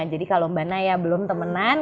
jadi kalau mbak naya belum temenan